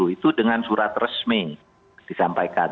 itu dengan surat resmi disampaikan